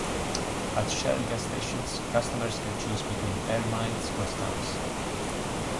At Shell gas stations, customers can choose between Air Miles or stamps.